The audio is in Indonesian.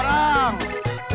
tasik tasik tasik